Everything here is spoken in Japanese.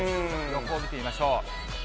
予報、見てみましょう。